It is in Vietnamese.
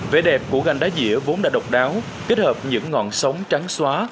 vẻ đẹp của gành đá dĩa vốn đã độc đáo kết hợp những ngọn sóng trắng xóa